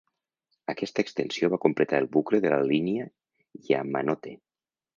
Aquesta extensió va completar el bucle de la línia Yamanote.